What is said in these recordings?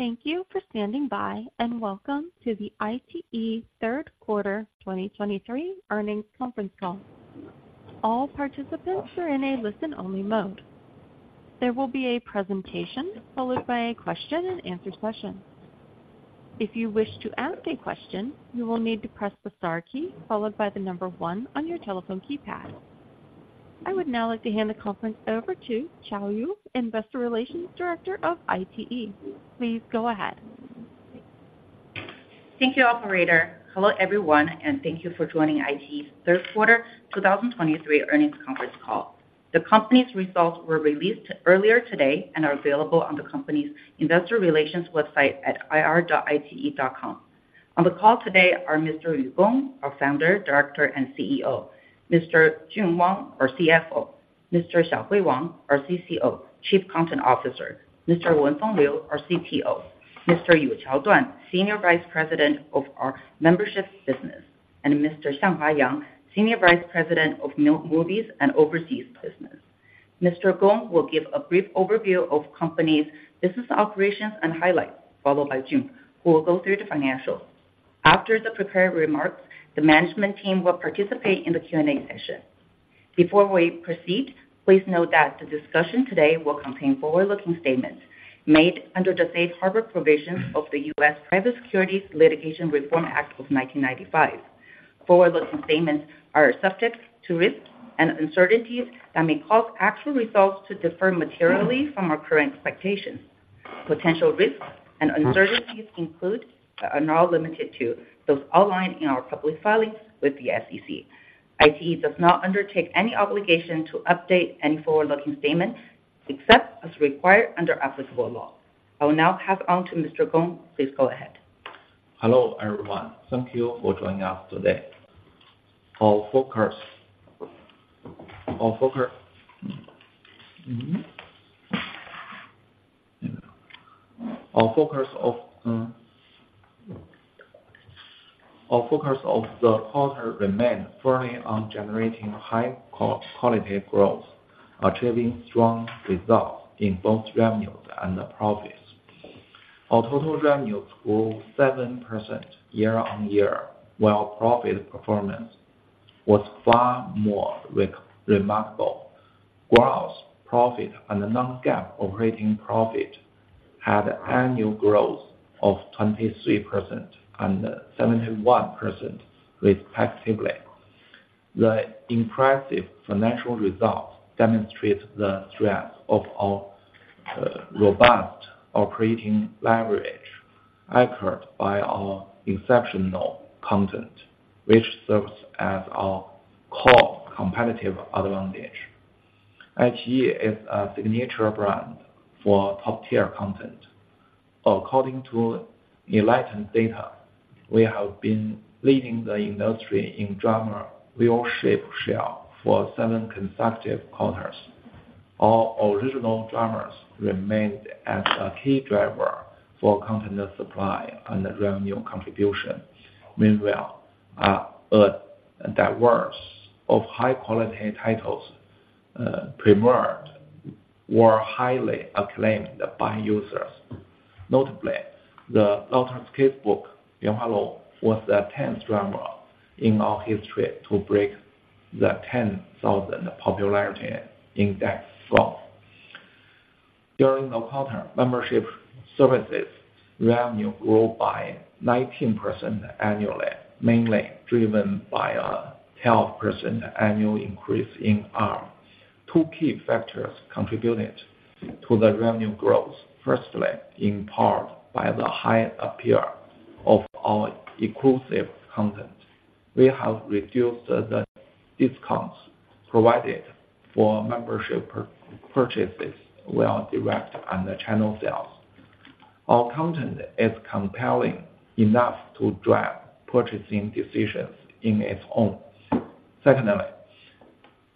Thank you for standing by, and welcome to the iQIYI Third Quarter 2023 Earnings Conference Call. All participants are in a listen-only mode. There will be a presentation, followed by a question-and-answer session. If you wish to ask a question, you will need to press the star key, followed by the number 1 on your telephone keypad. I would now like to hand the conference over to Chang Yu, Investor Relations Director of iQIYI. Please go ahead. Thank you, operator. Hello, everyone, and thank you for joining iQIYI's Third Quarter 2023 earnings conference call. The company's results were released earlier today and are available on the company's investor relations website at ir.iQIYI.com. On the call today are Mr. Yu Gong, our Founder, Director, and CEO, Mr. Jun Wang, our CFO, Mr. Xiaohui Wang, our CCO, Chief Content Officer, Mr. Wenfeng Liu, our CTO, Mr. Yuchao Duan, Senior Vice President of our Membership Business, and Mr. Xianghua Yang, Senior Vice President of Movies and Overseas Business. Mr. Gong will give a brief overview of company's business operations and highlights, followed by Jun, who will go through the financials. After the prepared remarks, the management team will participate in the Q&A session. Before we proceed, please note that the discussion today will contain forward-looking statements made under the Safe Harbor Provisions of the U.S. Private Securities Litigation Reform Act of 1995. Forward-looking statements are subject to risks and uncertainties that may cause actual results to differ materially from our current expectations. Potential risks and uncertainties include, but are not limited to, those outlined in our public filings with the SEC. iQIYI does not undertake any obligation to update any forward-looking statements, except as required under applicable law. I will now pass on to Mr. Gong. Please go ahead. Hello, everyone. Thank you for joining us today. Our focus of the quarter remained firmly on generating high-quality growth, achieving strong results in both revenues and profits. Our total revenues grew 7% year-on-year, while profit performance was far more remarkable. Gross profit and the Non-GAAP operating profit had annual growth of 23% and 71%, respectively. The impressive financial results demonstrate the strength of our robust operating leverage, anchored by our exceptional content, which serves as our core competitive advantage. iQIYI is a signature brand for top-tier content. According to Enlightent data, we have been leading the industry in drama viewership share for seven consecutive quarters. Our original dramas remained as a key driver for content supply and revenue contribution. Meanwhile, a diverse of high-quality titles premiered, were highly acclaimed by users. Notably, Mysterious Lotus Casebook, Lianhua, was the 10th drama in our history to break the 10,000 popularity index score. During the quarter, membership services revenue grew by 19% annually, mainly driven by a 12% annual increase in our two key factors contributed to the revenue growth, firstly, in part by the high appeal of our exclusive content. We have reduced the discounts provided for membership purchases, while direct and the channel sales. Our content is compelling enough to drive purchasing decisions in its own. Secondly,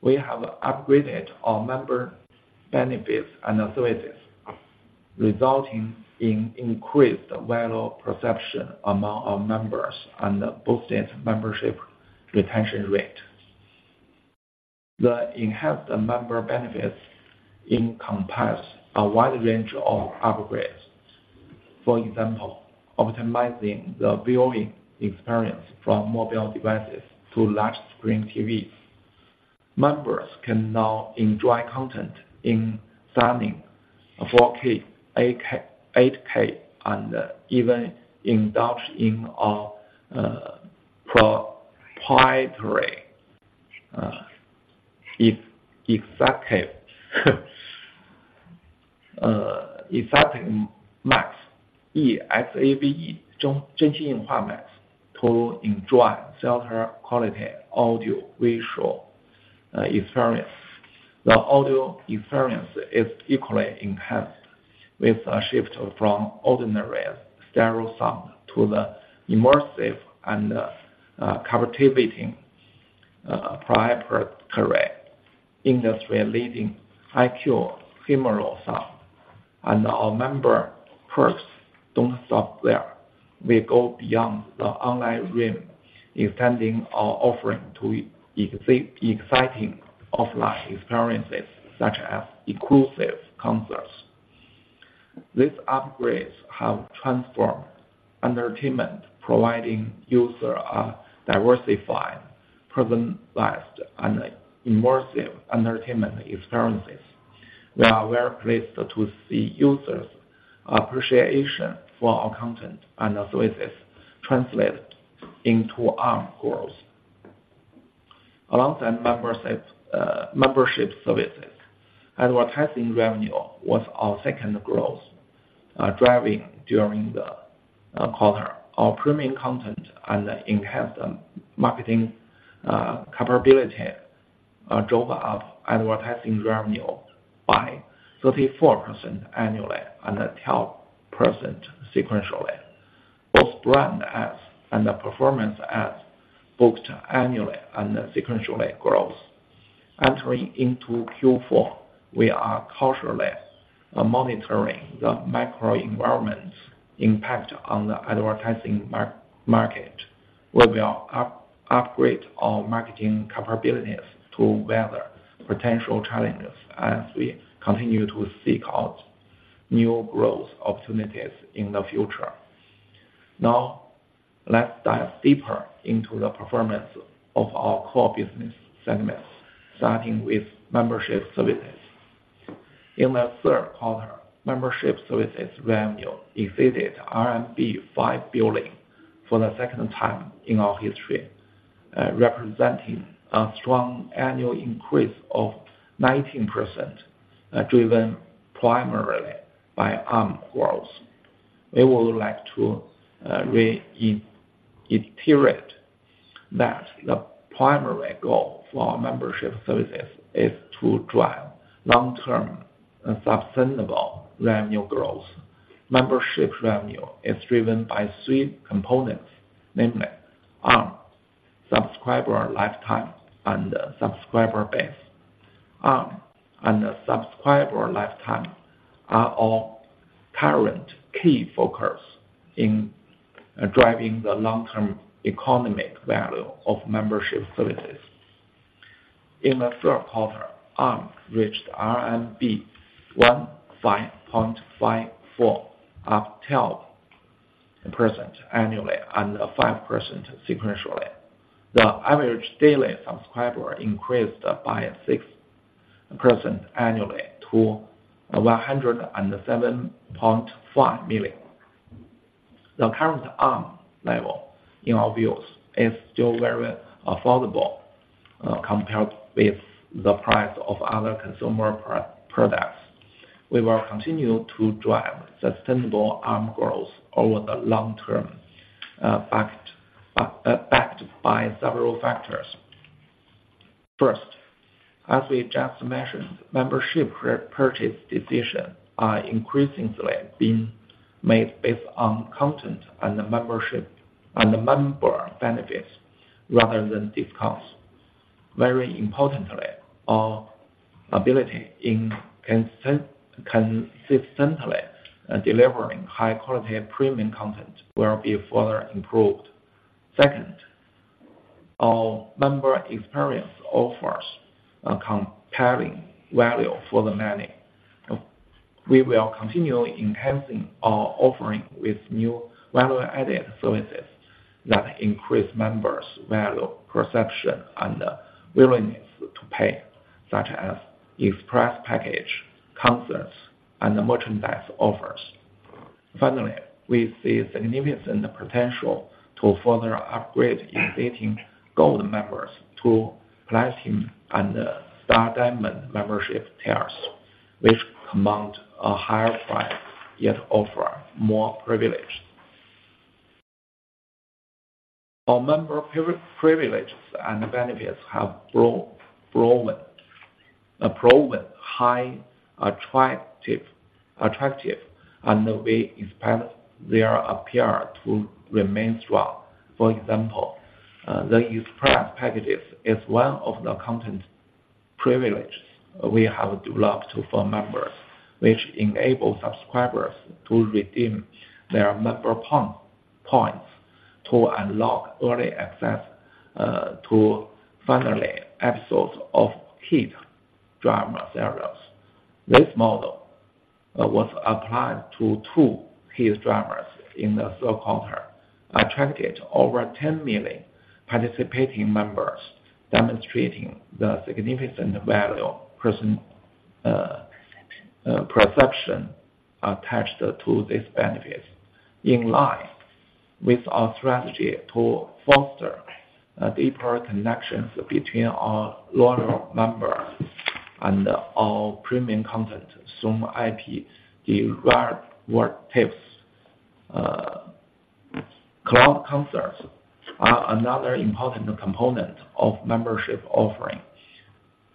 we have upgraded our member benefits and services, resulting in increased value perception among our members and boosted membership retention rate. The enhanced member benefits encompass a wide range of upgrades. For example, optimizing the viewing experience from mobile devices to large screen TVs. Members can now enjoy content in stunning 4K, 8K, and even indulge in our proprietary eXave MAX, E-X-A-V-E, Zhen Ziqi MAX, to enjoy theater quality audio visual experience. The audio experience is equally enhanced with a shift from ordinary stereo sound to the immersive and captivating proprietary, industry-leading Hi-Q ephemeral sound. Our member perks don't stop there. We go beyond the online realm, extending our offering to exciting offline experiences, such as exclusive concerts. These upgrades have transformed entertainment, providing user a diversified, personalized, and immersive entertainment experiences. We are very pleased to see users' appreciation for our content and our services translate into ARM growth. Alongside membership services, advertising revenue was our second growth driving during the quarter. Our premium content and enhanced marketing capability drove up advertising revenue by 34% annually, and 12% sequentially. Both brand ads and the performance ads booked annually and sequentially growth. Entering into Q4, we are cautiously monitoring the macro environment's impact on the advertising market, where we upgrade our marketing capabilities to weather potential challenges as we continue to seek out new growth opportunities in the future. Now, let's dive deeper into the performance of our core business segments, starting with membership services. In the third quarter, membership services revenue exceeded RMB 5 billion for the second time in our history, representing a strong annual increase of 19%, driven primarily by ARM growth. We would like to reiterate that the primary goal for our membership services is to drive long-term and sustainable revenue growth. Membership revenue is driven by three components, namely, ARM, subscriber lifetime, and subscriber base. ARM and subscriber lifetime are our current key focus in driving the long-term economic value of membership services. In the third quarter, ARM reached RMB 15.54, up 12% annually and 5% sequentially. The average daily subscriber increased by 6% annually to 107.5 million. The current ARM level, in our views, is still very affordable, compared with the price of other consumer products. We will continue to drive sustainable ARM growth over the long term, backed by several factors. First, as we just mentioned, membership purchase decisions are increasingly being made based on content and the membership and the member benefits rather than discounts. Very importantly, our ability in consistently delivering high-quality premium content will be further improved. Second, our member experience offers a compelling value for the money. We will continue enhancing our offering with new value-added services that increase members' value, perception, and willingness to pay, such as express package, concerts, and merchandise offers. Finally, we see significant potential to further upgrade in getting Gold members to Platinum and Star Diamond membership tiers, which command a higher price, yet offer more privilege. Our member privileges and benefits have proven highly attractive, and we expect their appeal to remain strong. For example, the express package is one of the content privileges we have developed for members, which enable subscribers to redeem their member points to unlock early access to final episodes of hit drama series. This model was applied to two hit dramas in the third quarter, attracted over 10 million participating members, demonstrating the significant value person, Perception. perception attached to this benefit. In line with our strategy to foster deeper connections between our loyal members and our premium content, some IP derivatives, cloud concerts are another important component of membership offering.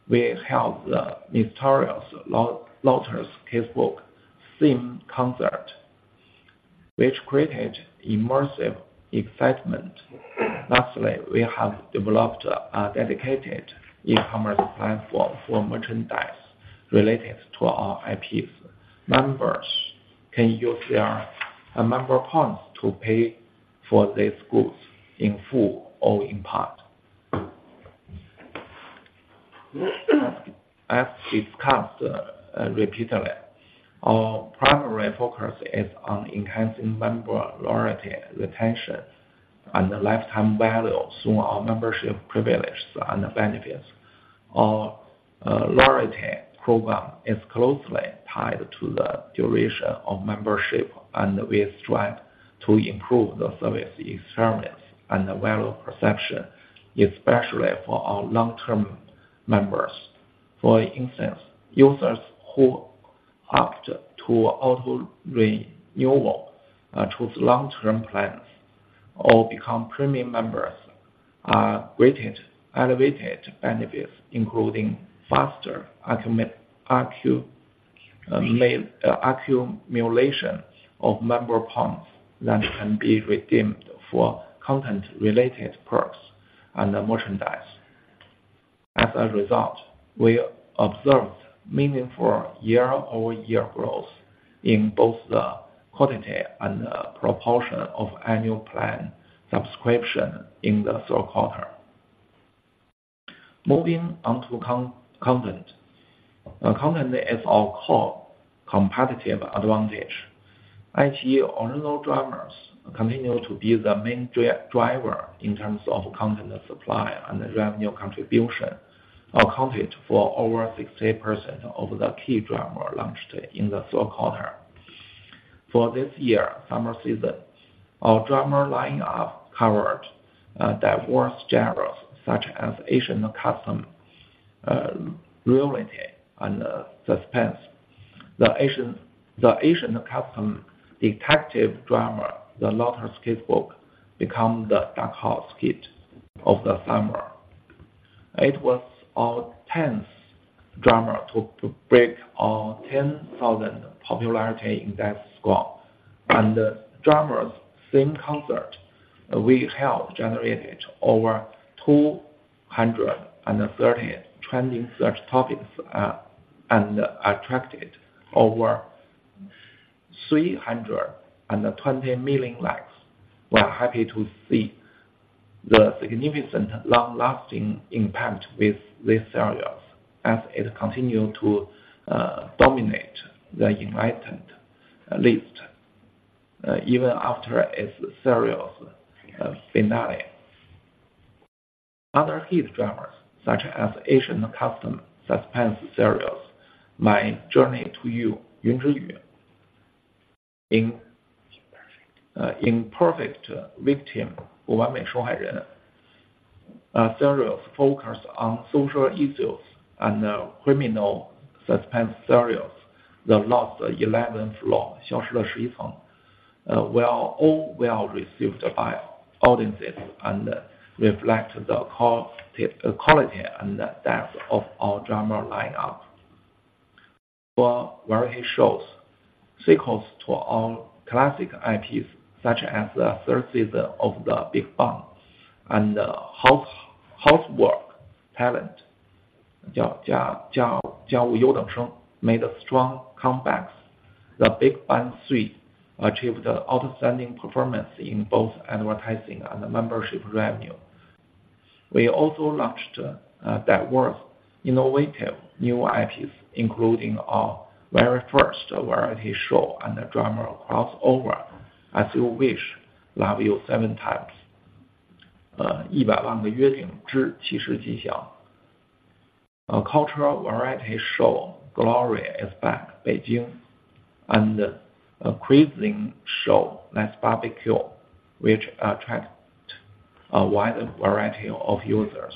We held the Mysterious Lotus Casebook theme concert, which created immersive excitement. Lastly, we have developed a dedicated e-commerce platform for merchandise related to our IPs. Members can use their member points to pay for these goods in full or in part. As discussed repeatedly, our primary focus is on enhancing member loyalty, retention, and the lifetime value through our membership privileges and benefits. Our loyalty program is closely tied to the duration of membership, and we strive to improve the service experience and the value perception, especially for our long-term members. For instance, users who opt to auto renewal, choose long-term plans or become premium members, are granted elevated benefits, including faster accumulation of member points that can be redeemed for content-related perks and merchandise. As a result, we observed meaningful year-over-year growth in both the quantity and the proportion of annual plan subscription in the third quarter. Moving on to content. Content is our core competitive advantage. iQIYI original dramas continue to be the main driver in terms of content supply and revenue contribution, accounted for over 60% of the key drama launched in the third quarter. For this year, summer season, our drama lineup covered diverse genres such as Asian costume, romance, and suspense. The Asian costume detective drama, The Mysterious Lotus Casebook, become the dark horse hit of the summer. It was our tenth drama to break our 10,000 popularity index score. And the drama theme concert we held generated over 230 trending search topics and attracted over 320 million likes. We're happy to see the significant long-lasting impact with these serials as it continued to dominate the United List even after its serials finale. Other hit dramas, such as Asian costume suspense serials, My Journey to You, 云之羽. Imperfect Victim, 不完美受害人. Our serials focus on social issues and criminal suspense serials. The Lost 11th Floor, 消失的十一层, were all well received by audiences and reflect the quality and depth of our drama lineup. For variety shows, sequels to our classic IPs, such as The Third Season of The Big Band and Housework Talent (叫舞优等生), made a strong comebacks. The Big Band 3 achieved an outstanding performance in both advertising and membership revenue. We also launched diverse, innovative new IPs, including our very first variety show and a drama crossover, As You Wish, Love You Seven Times (一百万个约定之七时吉祥). A cultural variety show, Glory is Back, Beijing, and a cuisine show, Let's Barbecue, which attract a wide variety of users.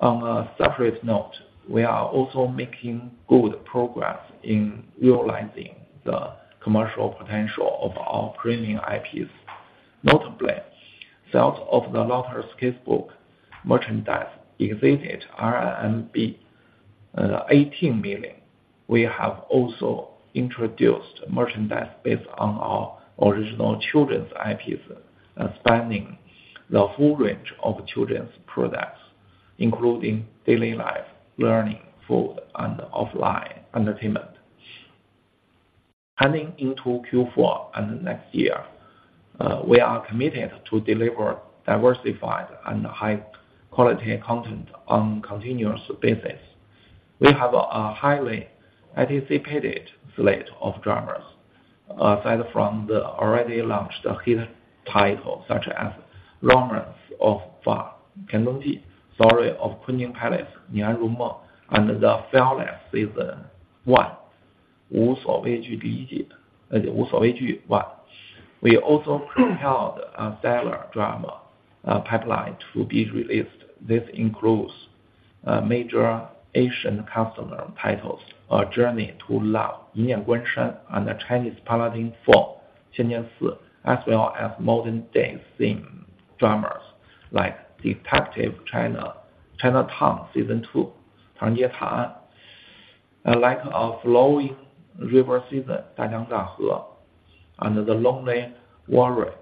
On a separate note, we are also making good progress in realizing the commercial potential of our premium IPs. Notably, sales of The Lotus Casebook merchandise exceeded RMB 18 million. We have also introduced merchandise based on our original children's IPs, spanning the full range of children's products, including daily life, learning, food, and offline entertainment. Heading into Q4 and next year, we are committed to deliver diversified and high-quality content on continuous basis. We have a highly anticipated slate of dramas, aside from the already launched hit titles such as Romance on the Farm, 天龙记, Story of Kunning Palace, 宁安如梦, and The Fearless Season 1, 无所畏惧第一季, 无所畏惧 one. We also prepared a stellar drama pipeline to be released. This includes major Asian costume titles, A Journey to Love (一念关山), and the Chinese Paladin 4 (仙剑四), as well as modern-day themed dramas like Detective Chinatown Season 2 (唐人街探案), Like of Flowing River (大江大河), and The Lonely Warrior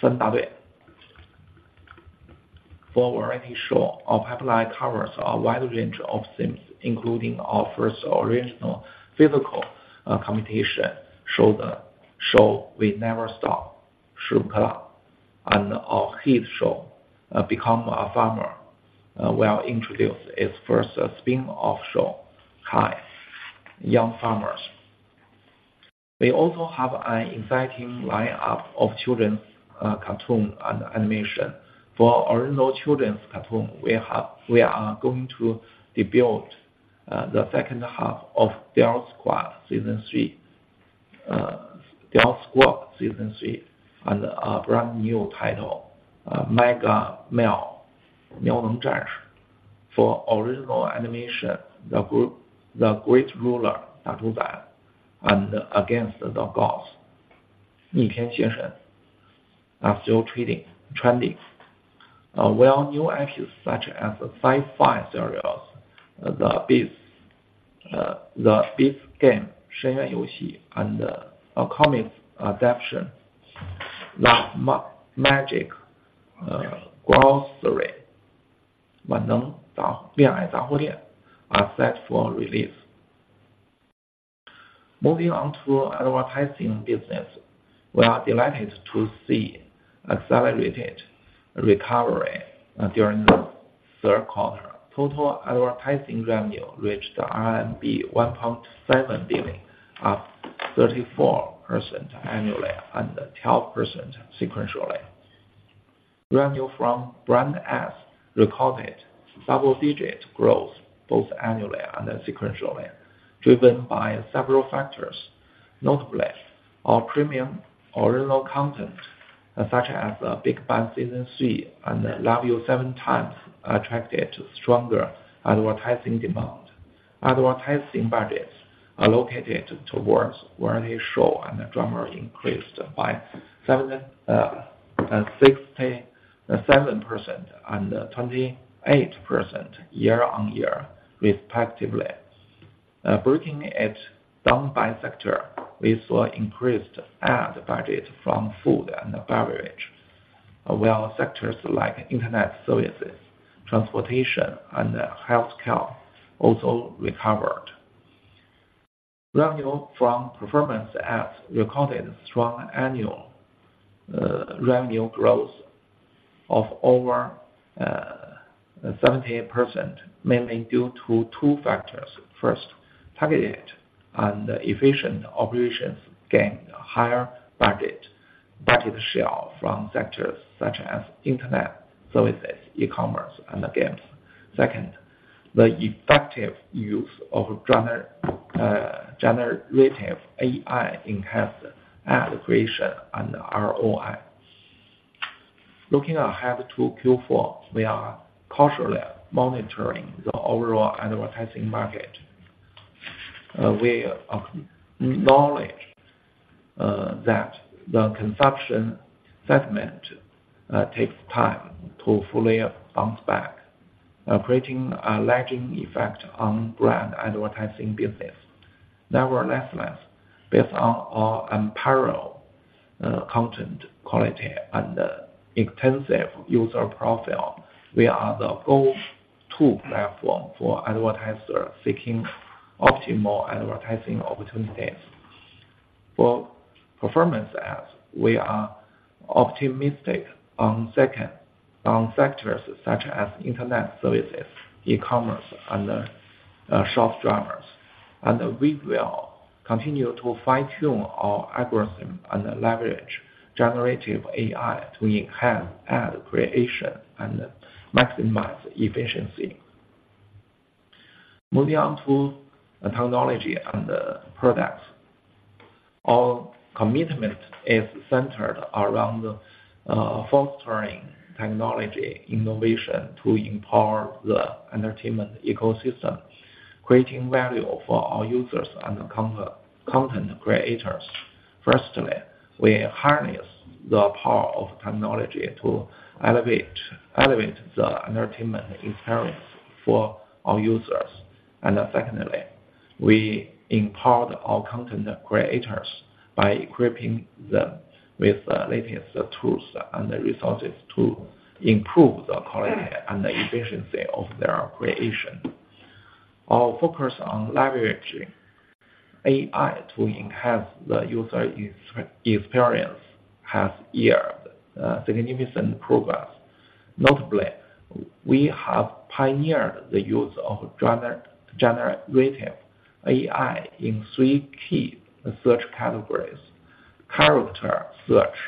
(三大队). For variety show, our pipeline covers a wide range of themes, including our first original physical competition show, The Show We Never Stop (势不可挡), and our hit show, Become a Farmer. We are introduced its first spin-off show, Hi! Young Farmers. We also have an exciting lineup of children's cartoon and animation. For original children's cartoon, we are going to debut the second half of Girl Squad Season 3, Girl Squad Season 3, and a brand new title, Mega Meow, Miao Neng Zhan Shi. For original animation, The Great Ruler, Da Zhu Zai, and Against the Gods, Ni Tian Xie Shen, are still trending. While new entries, such as the sci-fi series, The Abyss Game, Shen Yuan You Xi, and a comic adaptation, The Magic Grocery, Wan Neng Za Huo Dian, are set for release. Moving on to advertising business. We are delighted to see accelerated recovery during the third quarter. Total advertising revenue reached RMB 1.7 billion, up 34% annually and 12% sequentially. Revenue from brand ads recorded double-digit growth, both annually and sequentially, driven by several factors. Notably, our premium original content, such as Big Band Season and Love You Seven Times, attracted stronger advertising demand. Advertising budgets allocated towards variety show and drama increased by 67% and 28% year-on-year, respectively. Breaking it down by sector, we saw increased ad budget from food and beverage, while sectors like internet services, transportation, and healthcare also recovered. Revenue from performance ads recorded strong annual revenue growth of over 17%, mainly due to two factors. First, targeted and efficient operations gained a higher budget share from sectors such as internet services, e-commerce, and games. Second, the effective use of generative AI enhanced ad creation and ROI. Looking ahead to Q4, we are cautiously monitoring the overall advertising market. We acknowledge that the consumption segment takes time to fully bounce back, creating a lagging effect on brand advertising business. Nevertheless, based on our unparalleled content quality and extensive user profile, we are the go-to platform for advertisers seeking optimal advertising opportunities. For performance ads, we are optimistic on sectors such as internet services, e-commerce, and short dramas. We will continue to fine-tune our algorithm and leverage generative AI to enhance ad creation and maximize efficiency. Moving on to technology and the products. Our commitment is centered around fostering technology innovation to empower the entertainment ecosystem, creating value for our users and the content creators. Firstly, we harness the power of technology to elevate the entertainment experience for our users. Secondly, we empower our content creators by equipping them with the latest tools and the resources to improve the quality and the efficiency of their creation. Our focus on leveraging AI to enhance the user experience has yielded significant progress. Notably, we have pioneered the use of generative AI in three key search categories: character search,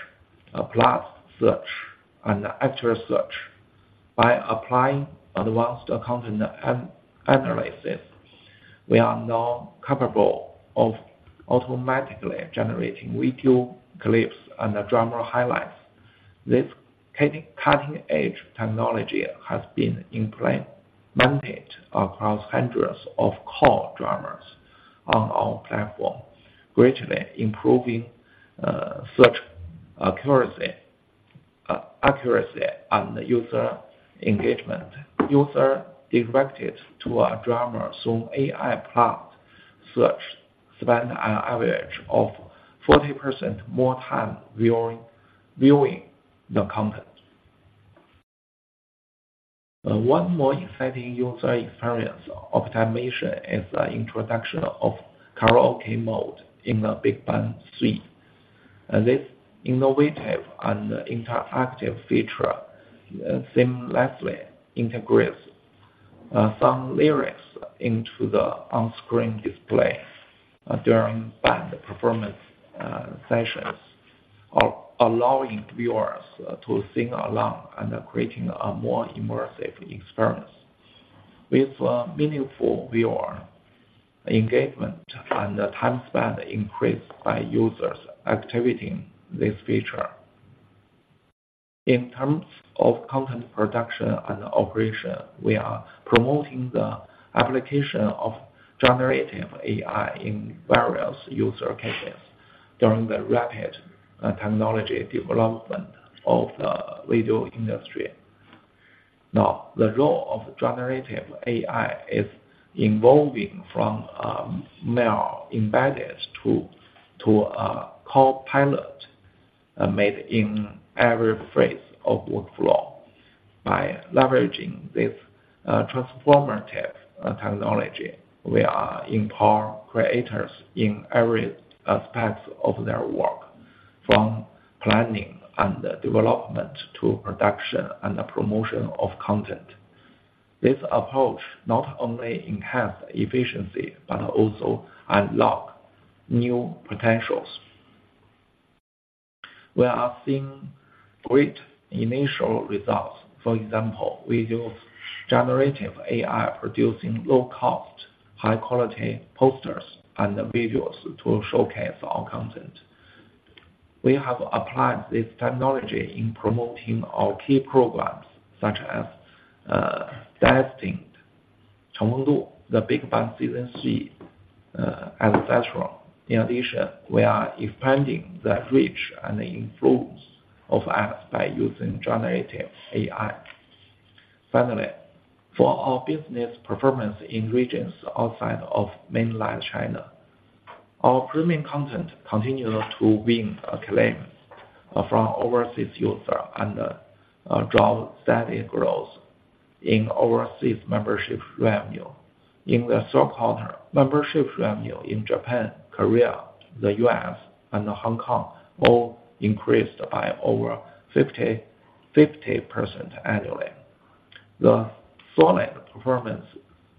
plot search, and actor search. By applying advanced content analysis, we are now capable of automatically generating video clips and drama highlights. This cutting-edge technology has been implemented across hundreds of core dramas on our platform, greatly improving search accuracy and user engagement. User directed to a drama through AI plot search spent an average of 40% more time viewing the content. One more exciting user experience optimization is the introduction of karaoke mode in the Big Band 3. This innovative and interactive feature seamlessly integrates song lyrics into the on-screen display during band performance sessions, allowing viewers to sing along and creating a more immersive experience. With a meaningful viewer engagement and the time spent increased by users activating this feature. In terms of content production and operation, we are promoting the application of generative AI in various use cases during the rapid technology development of the video industry. Now, the role of generative AI is evolving from mere embedded to a copilot made in every phase of workflow. By leveraging this transformative technology, we are empower creators in every aspects of their work, from planning and development to production and the promotion of content. This approach not only enhance efficiency, but also unlock new potentials. We are seeing great initial results. For example, we use generative AI producing low cost, high quality posters and videos to showcase our content. We have applied this technology in promoting our key programs, such as Destined, Chang Feng Du, The Big Band Season 3, et cetera. In addition, we are expanding the reach and influence of apps by using generative AI. Finally, for our business performance in regions outside of mainland China, our premium content continues to win acclaim from overseas users and drive steady growth in overseas membership revenue. In the third quarter, membership revenue in Japan, Korea, the U.S., and Hong Kong all increased by over 50% annually. The solid performance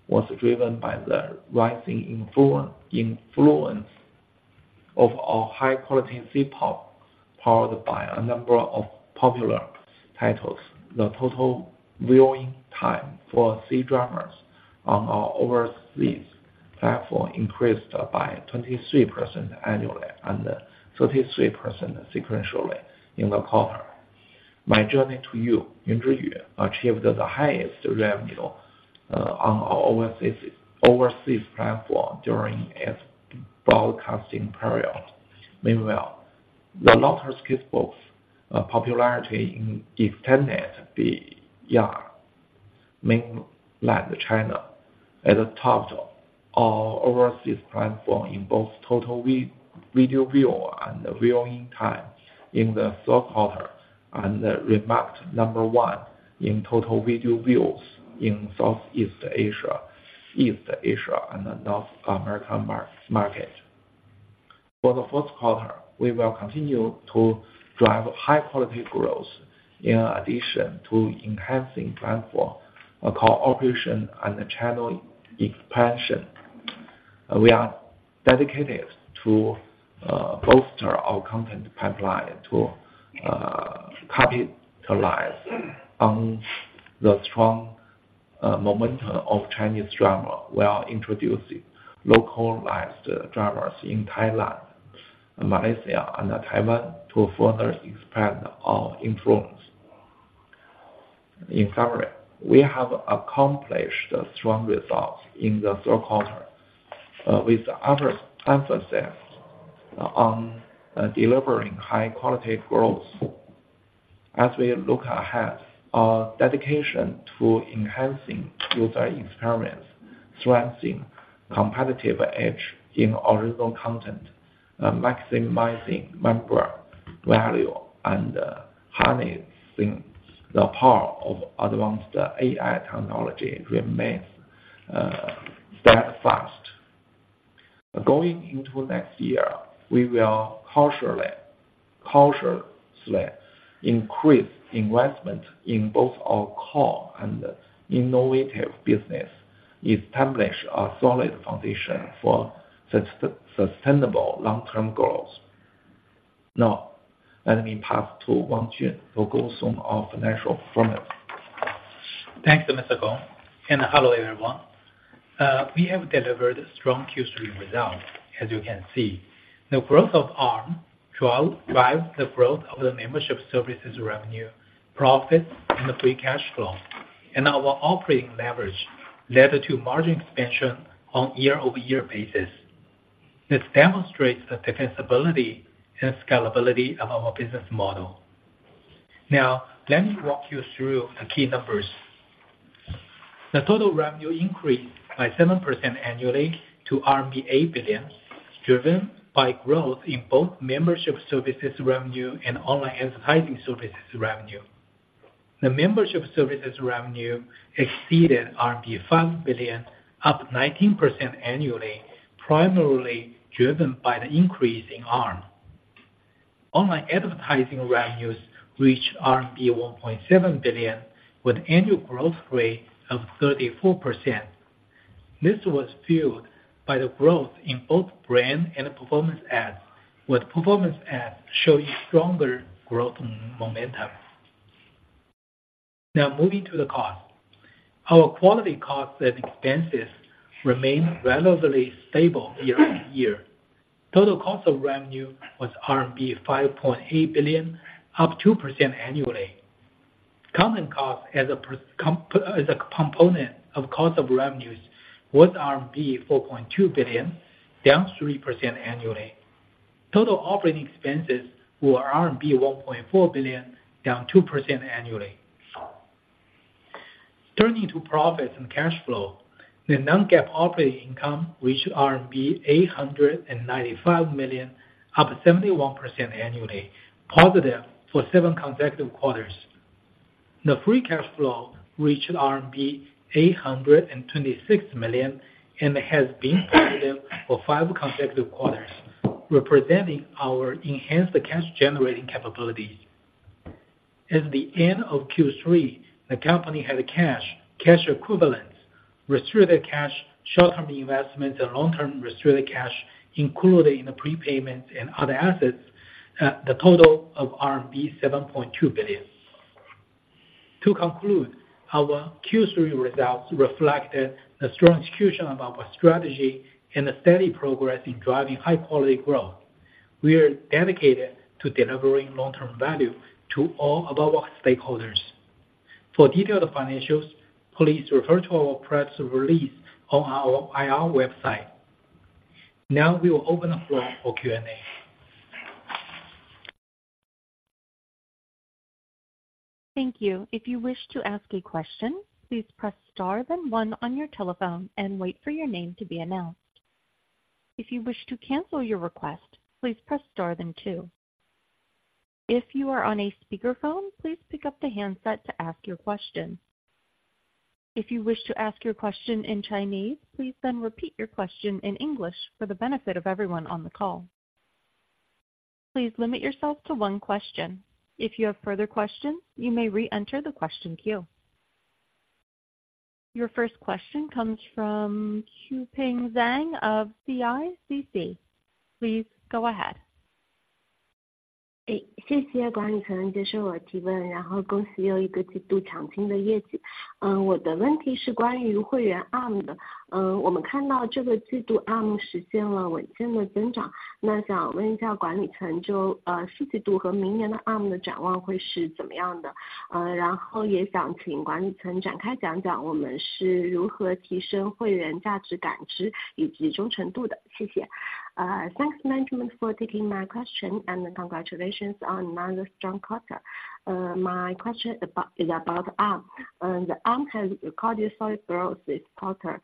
was driven by the rising influence of our high-quality C-pop, powered by a number of popular titles. The total viewing time for C-dramas on our overseas platform increased by 23% annually, and 33% sequentially in the quarter. My Journey to You achieved the highest revenue on our overseas platform during its broadcasting period. Meanwhile, the Lotus Casebook popularity extended beyond mainland China and topped our overseas platform in both total video views and viewing time in the third quarter, and remained number one in total video views in Southeast Asia, East Asia, and North America market. For the fourth quarter, we will continue to drive high-quality growth in addition to enhancing platform cooperation and channel expansion. We are dedicated to bolster our content pipeline to capitalize on the strong momentum of Chinese drama. We are introducing localized dramas in Thailand, Malaysia, and Taiwan to further expand our influence. In summary, we have accomplished strong results in the third quarter with other emphasis on delivering high-quality growth. As we look ahead, our dedication to enhancing user experience, strengthening competitive edge in original content, maximizing member value, and harnessing the power of advanced AI technology remains steadfast. Going into next year, we will cautiously, cautiously increase investment in both our core and innovative business, establish a solid foundation for sustainable long-term growth. Now, let me pass to Wang Jun to go some of financial performance. Thanks, Mr. Gong, and hello, everyone. We have delivered strong Q3 results, as you can see. The growth of ARM drove, drive the growth of the membership services revenue, profits, and the free cash flow, and our operating leverage led to margin expansion on year-over-year basis. This demonstrates the defensibility and scalability of our business model. Now, let me walk you through the key numbers. The total revenue increased by 7% annually to RMB 8 billion, driven by growth in both membership services revenue and online advertising services revenue. The membership services revenue exceeded RMB 5 billion, up 19% annually, primarily driven by the increase in ARM. Online advertising revenues reached RMB 1.7 billion, with annual growth rate of 34%. This was fueled by the growth in both brand and performance ads, with performance ads showing stronger growth momentum. Now moving to the cost. Our content costs and expenses remained relatively stable year-on-year. Total cost of revenue was RMB 5.8 billion, up 2% annually. Content cost as a component of cost of revenues was RMB 4.2 billion, down 3% annually. Total operating expenses were RMB 1.4 billion, down 2% annually. Turning to profits and cash flow, the non-GAAP operating income reached RMB 895 million, up 71% annually, positive for seven consecutive quarters. The free cash flow reached RMB 826 million, and has been positive for five consecutive quarters, representing our enhanced cash generating capabilities. At the end of Q3, the company had cash, cash equivalents, restricted cash, short-term investments, and long-term restricted cash, including the prepayment and other assets at the total of RMB 7.2 billion. To conclude, our Q3 results reflected the strong execution of our strategy and the steady progress in driving high quality growth. We are dedicated to delivering long-term value to all of our stakeholders. For detailed financials, please refer to our press release on our IR website. Now we will open the floor for Q&A. Thank you. If you wish to ask a question, please press star then one on your telephone and wait for your name to be announced. If you wish to cancel your request, please press star then two. If you are on a speakerphone, please pick up the handset to ask your question. If you wish to ask your question in Chinese, please then repeat your question in English for the benefit of everyone on the call. Please limit yourself to one question. If you have further questions, you may re-enter the question queue. Your first question comes from Xueqing Zhang of CICC. Please go ahead. Thanks, management for taking my question, and congratulations on another strong quarter. My question is about ARM. The ARM has continued solid growth this quarter.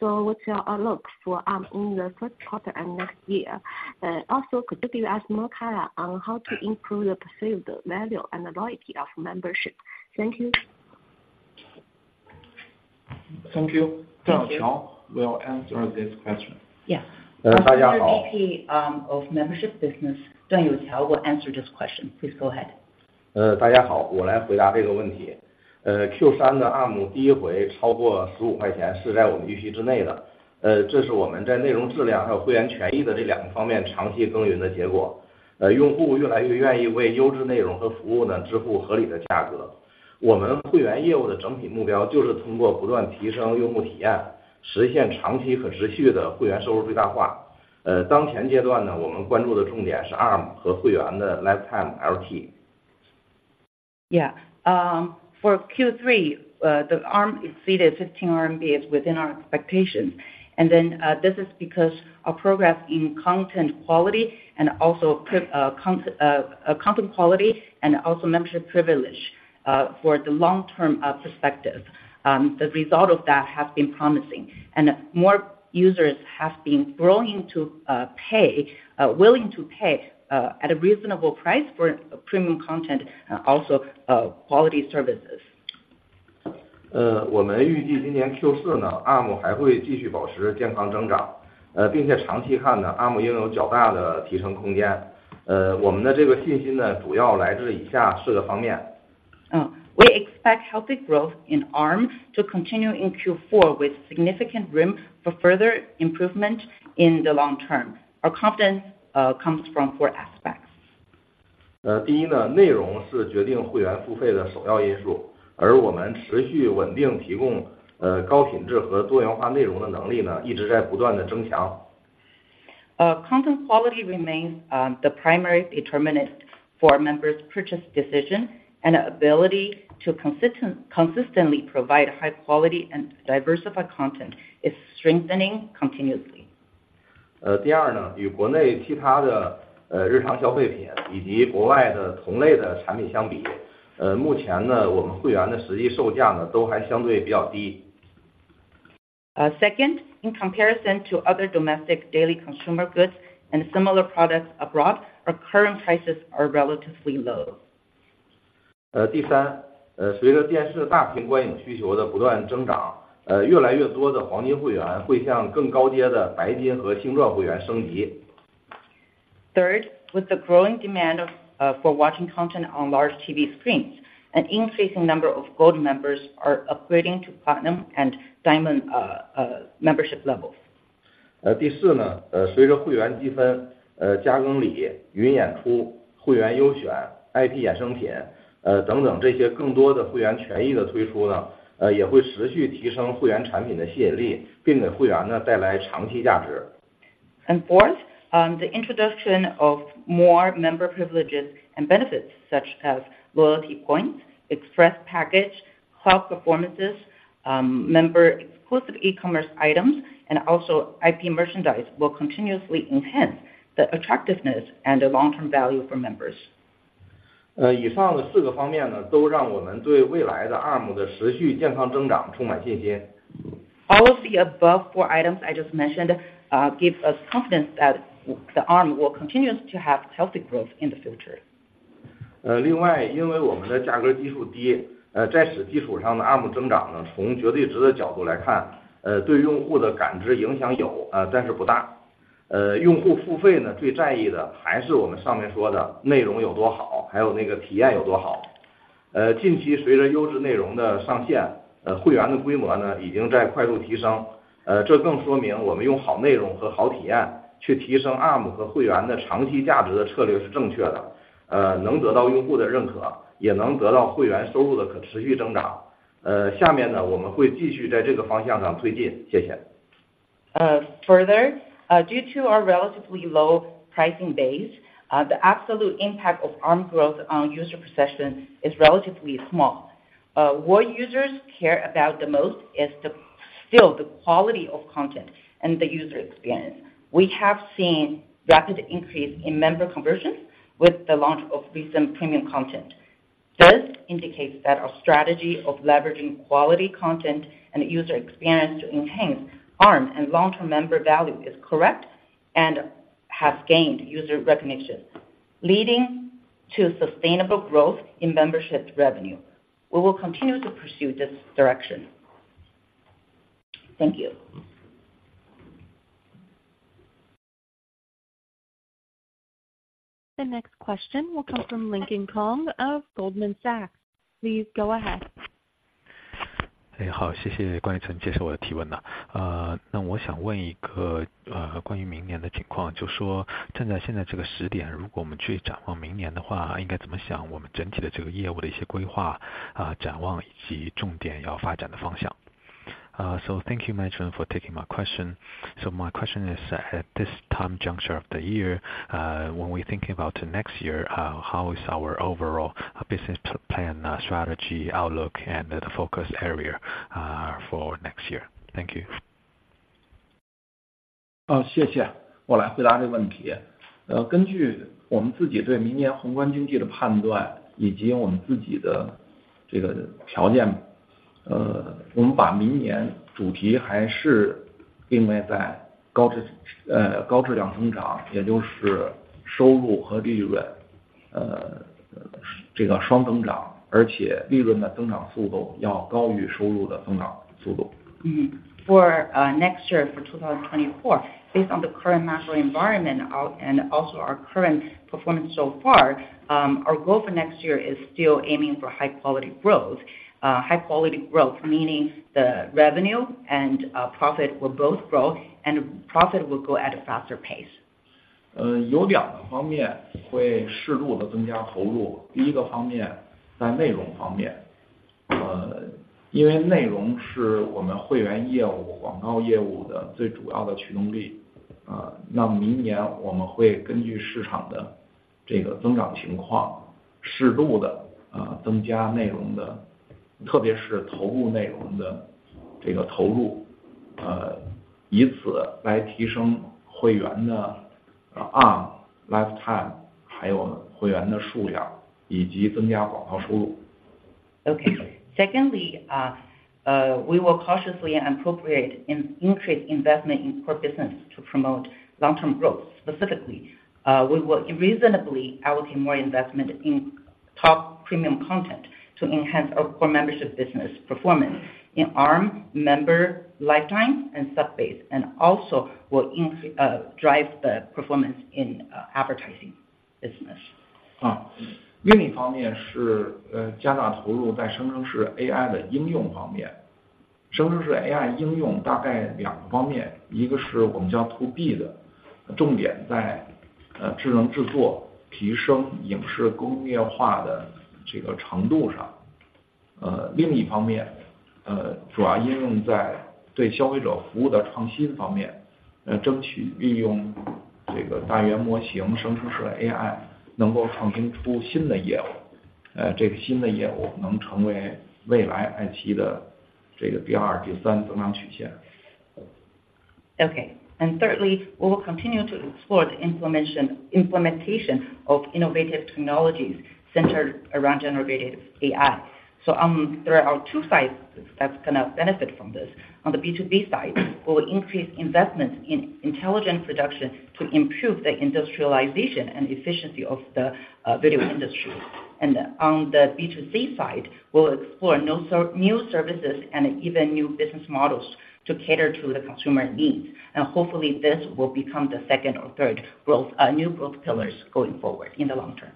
So what's your outlook for ARM in the first quarter and next year? Also, could you give us more color on how to improve the perceived value and loyalty of membership? Thank you. Thank you. Duan Youqiao will answer this question. Yeah. 大家好. Vice President of Membership Business, Youqiao Duan, will answer this question. Please go ahead. Hello, everyone. I will answer this question. The ARM in Q3 exceeded RMB 15 for the first time, which is within our expectations. This is the result of our long-term efforts in the two aspects of content quality and member benefits. Users are increasingly willing to pay reasonable prices for premium content and services. The overall goal of our membership business is to maximize long-term sustainable membership revenue by continuously improving user experience. In the current stage, our focus is on ARM and members' Lifetime LT. Yeah. For Q3, the ARM exceeded 15 RMB is within our expectations. This is because our progress in content quality and also content quality, and also membership privilege for the long-term perspective. The result of that has been promising, and more users have been willing to pay at a reasonable price for premium content and also quality services. 我们预计今年Q4呢，ARM还会继续保持健康增长，并且长期看呢，ARM拥有较大的提升空间。我们这个信心呢，主要来自以下四个方面。We expect healthy growth in ARM to continue in Q4, with significant room for further improvement in the long term. Our confidence comes from four aspects. 第一呢，内容是决定会员付费的主要因素，而我们持续稳定提供，高品质和多元化内容的能力呢，一直在不断地增强。Content quality remains the primary determinant for members' purchase decision, and ability to consistently provide high quality and diversified content is strengthening continuously. 第二呢，与国内其他的日常消费品以及国外的同类的产品相比，目前呢，我们会员的实际售价呢，都还相对比较低。Second, in comparison to other domestic daily consumer goods and similar products abroad, our current prices are relatively low. 第三，随着电视大屏观影需求的不断增长，越來越多的黄金会员会向更高阶的白金和钻石会员升级。Third, with the growing demand for watching content on large TV screens, an increasing number of gold members are upgrading to platinum and diamond membership levels. 第四呢，随着会员积分、加更礼、云演出、会员优选、IP衍生品，等等这些更多的会员权益的推出呢，也会持续提升会员产品的吸引力，并给会员呢带来长期价值。Fourth, the introduction of more member privileges and benefits such as loyalty points, express package, cloud performances, member exclusive e-commerce items, and also IP merchandise, will continuously enhance the attractiveness and the long-term value for members. 上面的四个方面呢，都让我们对未来的 ARM 的持续健康增长充满信心。All of the above four items I just mentioned, give us confidence that the ARM will continue to have healthy growth in the future. 另外，因为我们的价格基数低，在此基础上的ARM增长呢，从绝对值的角度来看，对用户的感知影响有，但是不大。用户付费呢，最在意的还是我们上面说的内容有多好，还有那个体验有多好。近期随着优质内容的上线，会员的规模呢，已经在快速提升，这更说明我们用好内容和好体验去提升ARM和会员的长期价值的策略是正确的，能够得到用户的认可，也能够得到会员收入的可持续增长。下面呢，我们会继续在这个方向上推进，谢谢。Further, due to our relatively low pricing base, the absolute impact of ARM growth on user progression is relatively small. What users care about the most is still the quality of content and the user experience. We have seen rapid increase in member conversion with the launch of recent premium content. This indicates that our strategy of leveraging quality content and user experience to enhance ARM and long-term member value is correct and has gained user recognition, leading to sustainable growth in membership revenue. We will continue to pursue this direction. Thank you. The next question will come from Lincoln Kong of Goldman Sachs. Please go ahead. So, thank you for taking my question. So my question is, at this time juncture of the year, when we thinking about next year, how is our overall business plan, strategy, outlook, and the focus area, for next year? Thank you. 谢谢。我来回答这个问题。根据我们自己对明年宏观经济的判断，以及我们自己的这个条件，我们把明年主题还是定位在高质量增长，也就是收入和利润，这个双增长，而且利润的增长速度要高于收入的增长速度。For next year, for 2024. Based on the current macro environment out and also our current performance so far, our goal for next year is still aiming for high quality growth. High quality growth, meaning the revenue and profit will both grow, and profit will go at a faster pace. 有两个方面会适度地增加投入。第一方面，在内容方面，因为内容是我们会员业务、广告业务的最主要的驱动力，那么明年我们会根据市场的这个增长情况，适度地增加内容的，特别是头部内容的这个投入，以此来提升会员的lifetime，还有会员的数量，以及增加广告收入。OK, secondly, we will cautiously appropriate in increased investment in core business to promote long-term growth. Specifically, we will reasonably allocate more investment in top premium content to enhance our core membership business performance in ARM, member lifetime, and sub base, and also will increase drive the performance in advertising business. 另一方面是，加大投入在生成式AI的应用方面。生成式AI应用大概两个方面，一个是我们叫To B的，重点在智能制作，提升影视工业化的这个程度上。另一方面，主要应用在对消费者服务的创新方面，来争取运用- ...这个大语言模型生出了AI，能够创新出新的业务，这个新的业务能够成为未来爱奇艺的这个第二、第三增长曲线。OK. Thirdly, we will continue to explore the implementation of innovative technologies centered around generative AI. So, there are two sides that's gonna benefit from this. On the B2B side, we will increase investment in intelligent production to improve the industrialization and efficiency of the video industry. And on the B2C side, we'll explore new services and even new business models to cater to the consumer needs, and hopefully this will become the second or third growth new growth pillars going forward in the long term.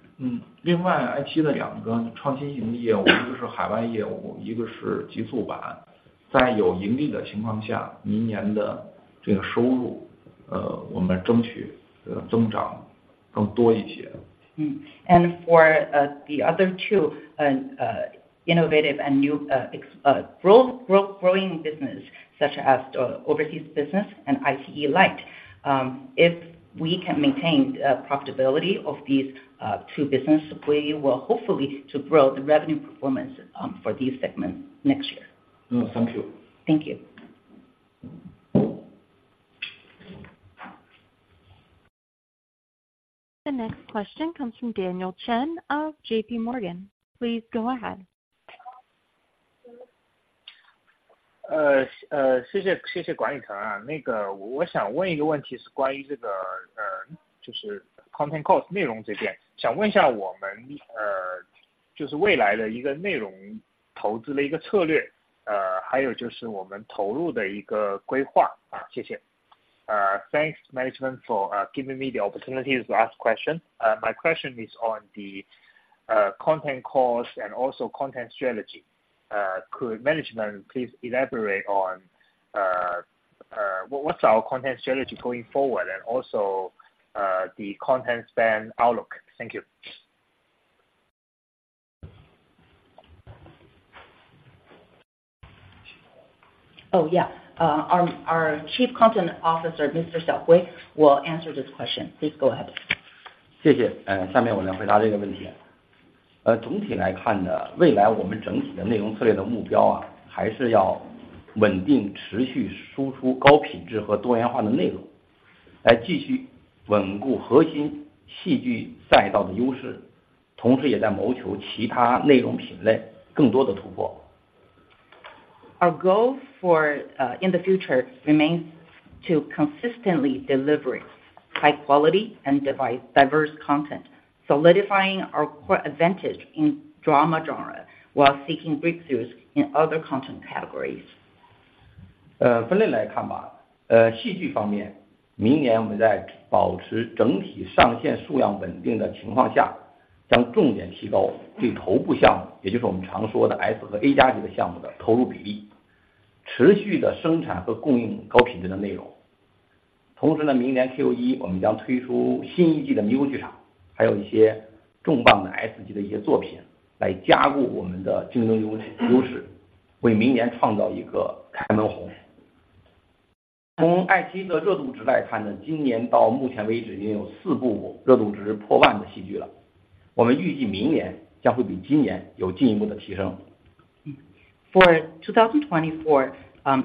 另外，爱奇艺的两个创新型的业务，一个是海外业务，一个是极速版。在有盈利的情况下，明年的这个收入，我们争取，增长更多一些。And for the other two innovative and new growing business such as overseas business and iQIYI Light, if we can maintain the profitability of these two business, we will hopefully to grow the revenue performance for these segments next year. Thank you. Thank you. The next question comes from Daniel Chen of JPMorgan. Please go ahead. Thanks, management, for giving me the opportunity to ask a question. My question is on the content cost and also content strategy. Could management please elaborate on what's our content strategy going forward? And also, the content spend outlook. Thank you. our Chief Content Officer, Mr. Xiaohui Wang, will answer this question. Please go ahead. 谢谢。下面我来回答这个问题。总体来看呢，未来我们整体的内容策略的目标啊，还是要稳定持续输出高质量和多元化的内容，来继续巩固核心电视剧赛道的优势，同时也在谋求其他内容品类更多的突破。Our goal for in the future remains to consistently delivering high quality and device diverse content, solidifying our core advantage in drama genre, while seeking breakthroughs in other content categories. 分类来看吧。戏剧方面，明年我们在保持整体上线数量稳定的情况下，将重点提高对头部项目，也就是我们常说的S和A级项目的投入比例，持续地生产和供应高质量的内容。同时呢，明年Q1我们将推出新一季的迷雾剧场，还有一些重磅的S级的一些作品，来加固我们的竞争优势，为明年创造一个开门红。从爱奇艺的热度值来看呢，今年到目前为止已经有4部热度值破万的戏剧了，我们预计明年将会比今年有进一步的提升。For 2024,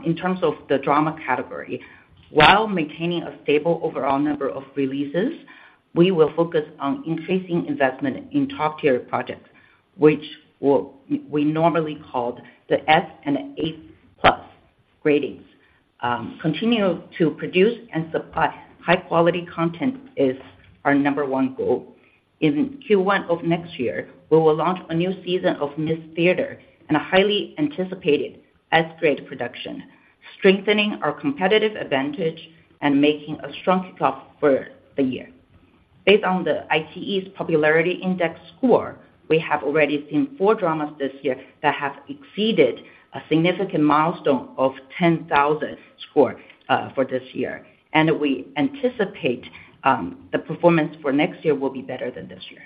in terms of the drama category, while maintaining a stable overall number of releases, we will focus on increasing investment in top tier projects, which we normally call the S+ and A+ ratings. Continue to produce and supply high quality content is our number one goal. In Q1 of next year, we will launch a new season of Mist Theater and a highly anticipated S-grade production, strengthening our competitive advantage and making a strong kickoff for the year. Based on the iQIYI's popularity index score, we have already seen four dramas this year that have exceeded a significant milestone of 10,000 score for this year, and we anticipate the performance for next year will be better than this year.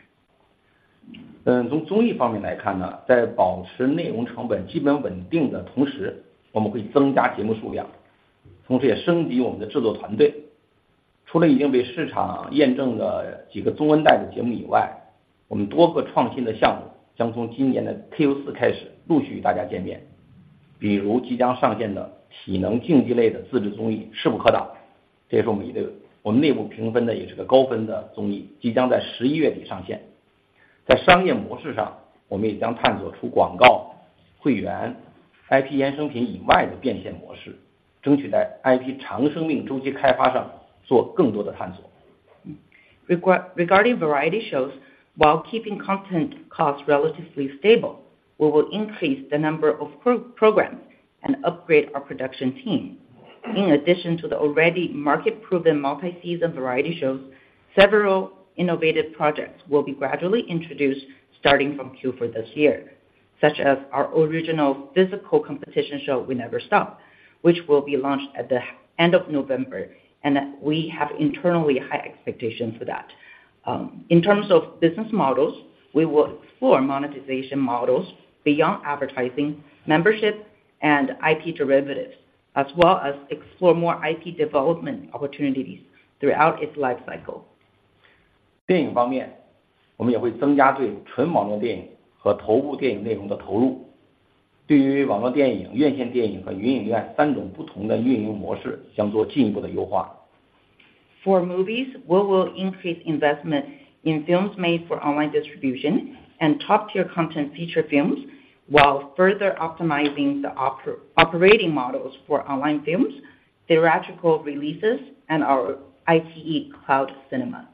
Regarding variety shows, while keeping content costs relatively stable, we will increase the number of programs and upgrade our production team. In addition to the already market proven multi-season variety shows, several innovative projects will be gradually introduced starting from Q4 this year, such as our original physical competition show, We Never Stop, which will be launched at the end of November, and we have internally high expectations for that.... In terms of business models, we will explore monetization models beyond advertising, membership, and IP derivatives, as well as explore more IP development opportunities throughout its lifecycle. 电影方面，我们也会增加对纯网络电影和头部电影内容的投入。对于网络电影、院线电影和云影院三种不同的运营模式将做进一步的优化。For movies, we will increase investment in films made for online distribution and top-tier content feature films, while further optimizing the operating models for online films, theatrical releases, and our iQIYI Cloud Cinema.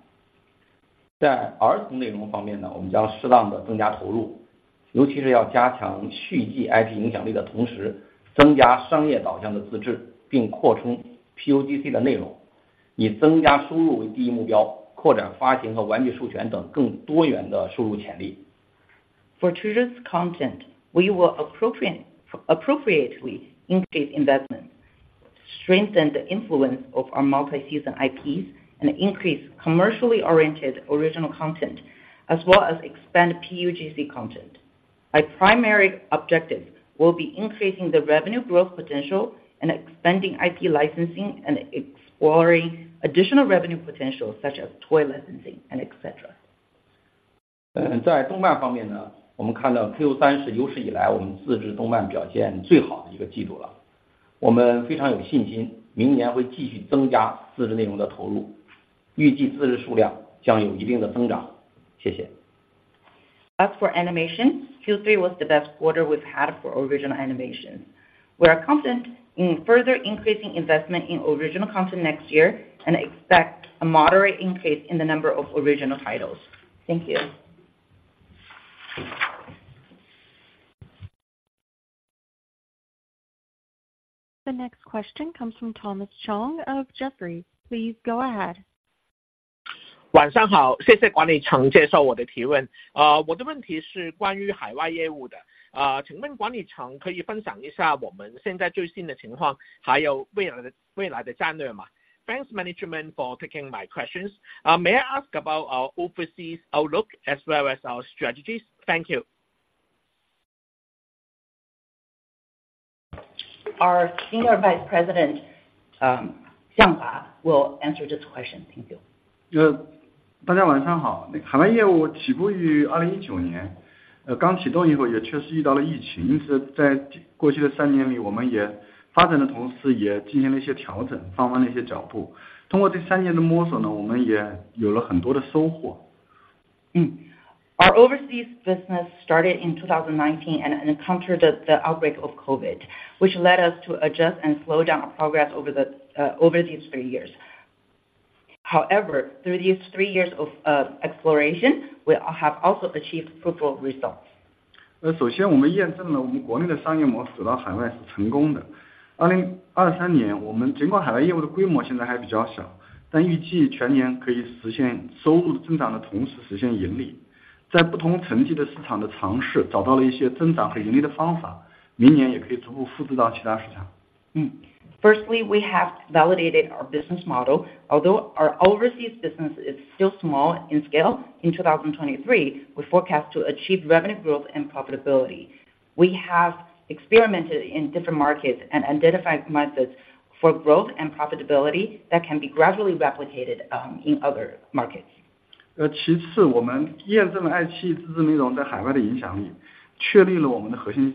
在儿童内容方面呢，我们将适当地增加投入，尤其是要加强续集IP影响力的同时，增加商业导向的自制，并扩充PUGC的内容，以增加收入为第一目标，扩展发行和玩具授权等更多元的收入潜力。For children's content, we will appropriately increase investment, strengthen the influence of our multi-season IPs, and increase commercially oriented original content, as well as expand PUGC content. Our primary objective will be increasing the revenue growth potential and expanding IP licensing, and exploring additional revenue potentials such as toy licensing and etc. 在动漫方面呢，我们看到Q3是有史以来我们自制动漫表现最好的一个季度了，我们非常有信心，明年会继续增加自制内容的投入，预计自制数量将有一定的增长。谢谢。As for animation, Q3 was the best quarter we've had for original animation. We are confident in further increasing investment in original content next year, and expect a moderate increase in the number of original titles. Thank you. The next question comes from Thomas Chong of Jefferies. Please go ahead. 晚上好, 谢谢管理层接受我的提问。我的问题是关于海外业务的, 请问管理层可以分享一下我们现在最新的情况, 还有未来的, 未来的战略吗? Thanks management for taking my questions. May I ask about our overseas outlook as well as our strategies? Thank you. Our Senior Vice President, Xianghua Yang, will answer this question. Thank you. 大家晚上好。海外业务起步于2019年，刚启动以后也确实遇到了疫情，因此在过去的三 年里，我们也发展的同时也进行了一些调整，放慢了一些脚步。通过这三年的摸索呢，我们也有了更多的收获。Our overseas business started in 2019 and encountered the outbreak of COVID, which led us to adjust and slow down our progress over these three years. However, through these three years of exploration, we have also achieved fruitful results. First, we verified that our domestic business model is successful overseas. In 2023, although our overseas business scale is still relatively small, we expect to achieve revenue growth for the full year while also achieving profitability. In trials at different market tiers, we found some methods for growth and profitability, which can also be gradually replicated to other markets next year. Firstly, we have validated our business model. Although our overseas business is still small in scale, in 2023, we forecast to achieve revenue growth and profitability. We have experimented in different markets and identified methods for growth and profitability that can be gradually replicated in other markets. 其次，我们验证了 iQIYI 自制内容在海外的影响力，确立了我们的核心竞争力。我们目标是把海外站打造成一个亚洲内容为核心的视频平台。iQIYI 的自制剧是我们显而易见的优势。经过这几年，我们陆续在一些市场观看量增长显著，我们也看到了 CPOP 的一些潜力。And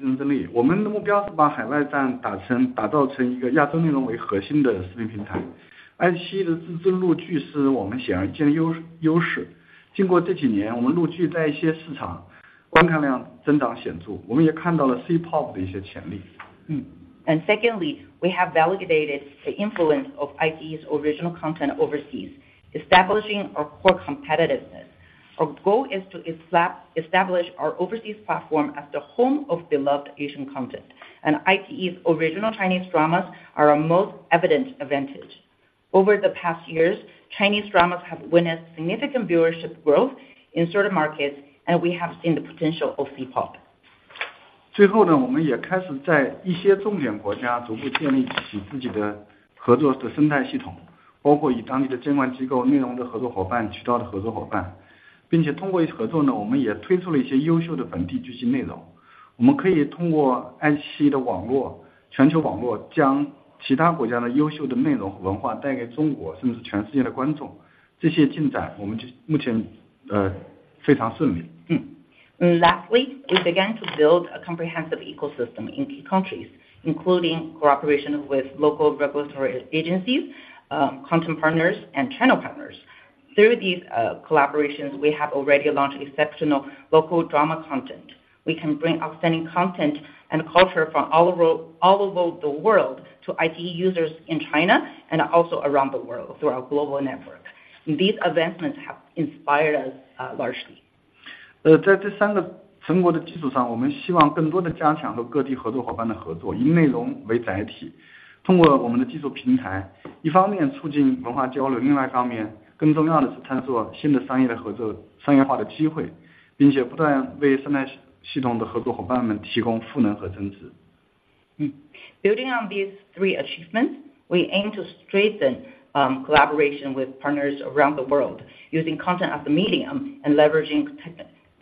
secondly, we have validated the influence of iQIYI's original content overseas, establishing our core competitiveness. Our goal is to establish our overseas platform as the home of beloved Asian content, and iQIYI's original Chinese dramas are our most evident advantage. Over the past years, Chinese dramas have witnessed significant viewership growth in certain markets, and we have seen the potential of CPOP. 最后呢，我们也开始在一些重点国家逐步建立起自己的合作的生态系统，包括与当地的监管机构、内容的合作伙伴、渠道的合作伙伴。并且通过合作呢，我们也推出了一些优秀的地方剧集内容，我们可以通过 iQIYI 的网络，全球网络，将其他国家的优秀的内容和文化带给中国，甚至全世界的观众。这些进展我们目前，非常顺利。Lastly, we began to build a comprehensive ecosystem in key countries, including cooperation with local regulatory agencies, content partners, and channel partners. Through these collaborations, we have already launched exceptional local drama content. We can bring outstanding content and culture from all over, all over the world to iQIYI users in China and also around the world through our global network. These advancements have inspired us, largely. 在这三个成果的基础上，我们希望更多的加强和各地合作伙伴的合作，以内容为载体，通过我们的技术平台，一方面促进文化交流，另一方面更重要的是探索新的商业的合作、商业化的机会，并且不断为生态系统的合作伙伴们提供赋能和增值。Building on these three achievements, we aim to strengthen collaboration with partners around the world, using content as the medium and leveraging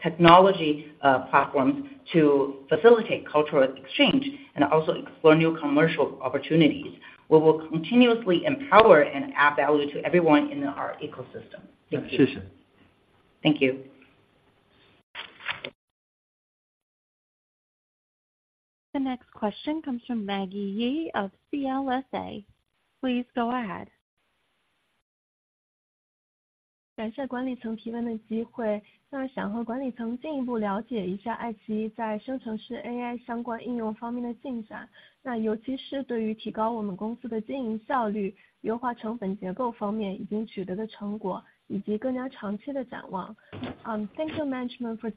technology platforms to facilitate cultural exchange and also explore new commercial opportunities. We will continuously empower and add value to everyone in our ecosystem. Thank you. Thank you. The next question comes from Maggie Ye of CLSA. Please go ahead. Thank you, management, for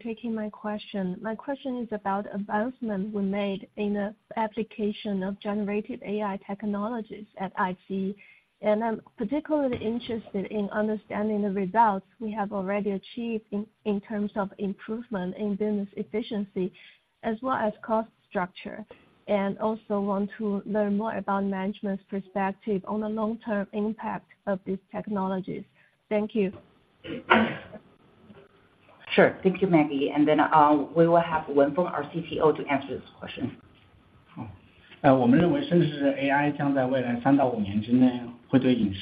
taking my question. My question is about advancement we made in the application of generative AI technologies at iQIYI, and I'm particularly interested in understanding the results we have already achieved in terms of improvement in business efficiency, as well as cost structure, and also want to learn more about management's perspective on the long-term impact of these technologies. Thank you. Sure. Thank you, Maggie, and then, we will have Wenfeng, our CTO, to answer this question. We believe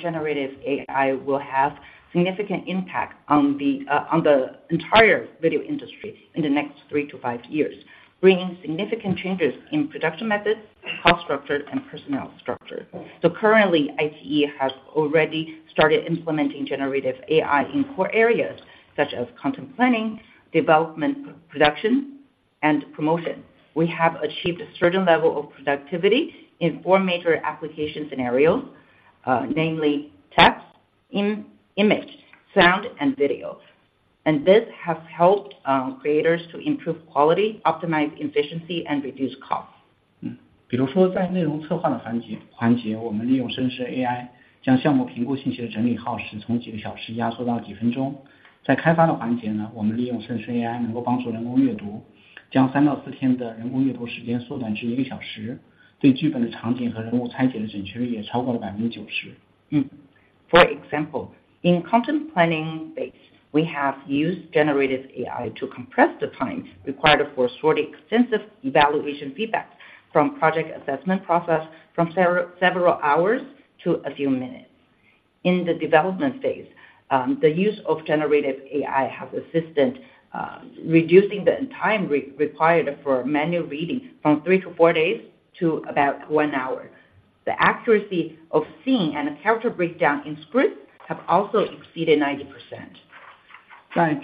generative AI will have a significant impact on the next three to five years, bringing significant changes in production methods, cost structure, and personnel structure. So currently, iQIYI has already started implementing generative AI in core areas such as content planning, development, production, and promotion. We have achieved a certain level of productivity in four major application scenarios, namely text, image, sound, and video. And this has helped creators to improve quality, optimize efficiency, and reduce costs. For example, in content planning phase, we have used generative AI to compress the time required for sorting extensive evaluation feedback from project assessment process from several hours to a few minutes. In the development phase, the use of generative AI has assisted reducing the time required for manual reading from three to four days to about 1 hour. The accuracy of scene and character breakdown in script have also exceeded 90%. In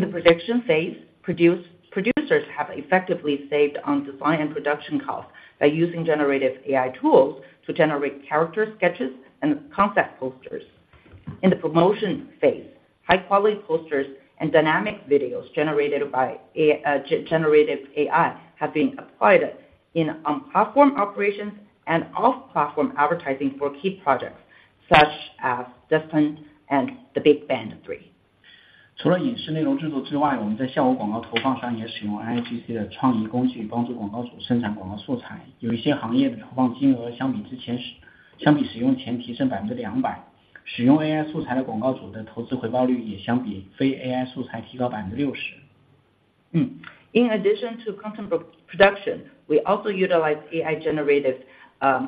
the production phase, producers have effectively saved on design and production costs by using generative AI tools to generate character sketches and concept posters. In the promotion phase, high-quality posters and dynamic videos generated by generative AI have been applied in platform operations and off-platform advertising for key projects such as Destiny and The Big Band Three. In addition to content production, we also utilize AI-generated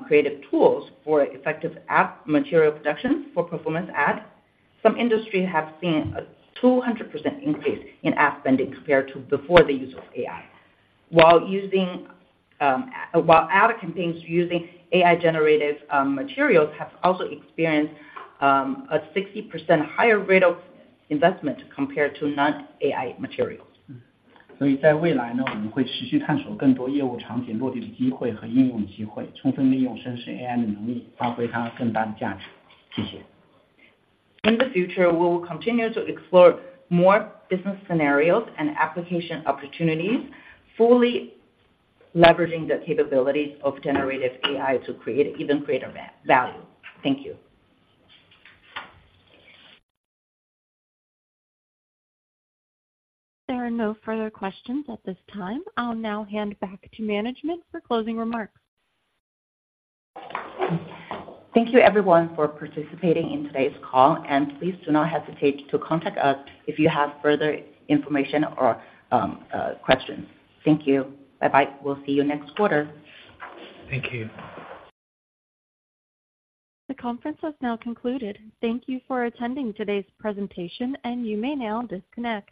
creative tools for effective app material production for performance ad. Some industry have seen a 200% increase in ad spending compared to before the use of AI. While ad campaigns using AI-generated materials have also experienced a 60% higher rate of investment compared to non-AI materials. In the future, we will continue to explore more business scenarios and application opportunities, fully leveraging the capabilities of generative AI to create even greater value. Thank you. There are no further questions at this time. I'll now hand back to management for closing remarks. Thank you, everyone, for participating in today's call, and please do not hesitate to contact us if you have further information or questions. Thank you. Bye-bye. We'll see you next quarter. Thank you. The conference has now concluded. Thank you for attending today's presentation, and you may now disconnect.